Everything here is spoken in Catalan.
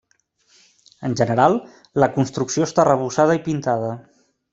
En general, la construcció està arrebossada i pintada.